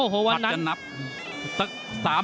ทักจะนับ๓นับ